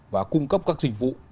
và cung cấp các dịch vụ